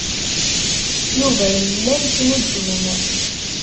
Yuba yella yettnuddum.